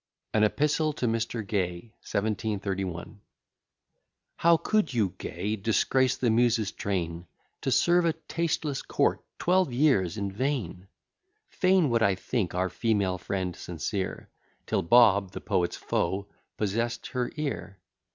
AN EPISTLE TO MR. GAY 1731 How could you, Gay, disgrace the Muse's train, To serve a tasteless court twelve years in vain! Fain would I think our female friend sincere, Till Bob, the poet's foe, possess'd her ear.